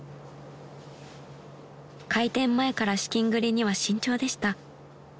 ［開店前から資金繰りには慎重でした］